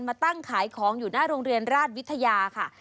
มาตั้งขายของอยู่หน้าโรงเรียนราชวิทยาค่ะ